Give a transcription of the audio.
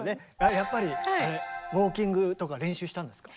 やっぱりウォーキングとか練習したんですか？